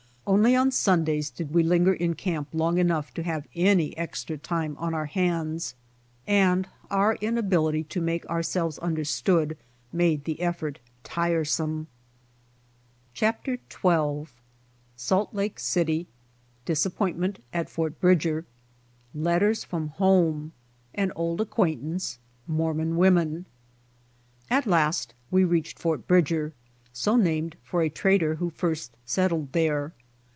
Only on Sundays did we linger in camp long enough to have any extra timie on our hands, and our inability to make ourselves understood made the effort tiresome. CHAPTER XII. SALT LAKE CITY. — DISAPPOINTMENT AT FORT BRIDGER. — LETTERS FROM HOME. — AN OLD ACQUAINTANCE. — MORMON WOMEN. At LAST we reached Fort Bridger, so named for a trader who first settled there.